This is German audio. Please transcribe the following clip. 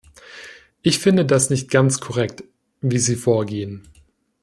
Ich finde das nicht ganz korrekt, wie Sie vorgehen.